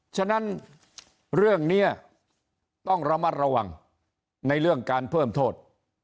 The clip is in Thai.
ฉะนั้นเรื่องนี้ต้องระมัดระวังในเรื่องการเพิ่มโทษ